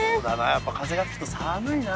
やっぱ風が吹くと寒いな。